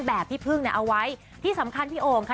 แบบพี่พึ่งเนี่ยเอาไว้ที่สำคัญพี่โอ่งค่ะ